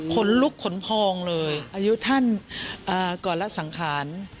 ขนลุกขนพองเลยอายุท่านก่อนละสังขาร